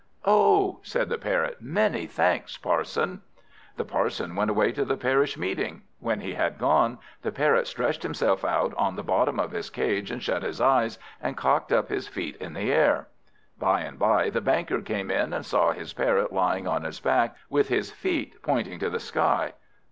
"Oh," said the Parrot, "many thanks, Parson." The Parson went away to the parish meeting. When he had gone, the Parrot stretched himself out on the bottom of his cage, and shut his eyes, and cocked up his feet in the air. By and by the Banker came in, and saw his Parrot lying on his back, with his feet pointing to the sky.